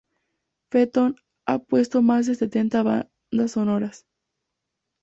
Fenton ha compuesto más de setenta bandas sonoras.